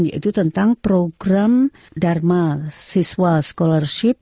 yaitu tentang program dharma siswa scholarship